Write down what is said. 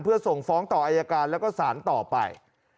เพื่อส่งฟ้องต่ออายการแล้วก็สารต่อไป